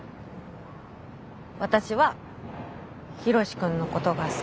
私はヒロシ君のことが好き。